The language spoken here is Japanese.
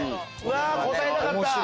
答えたかった！